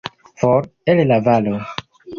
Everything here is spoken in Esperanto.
For, el la valo.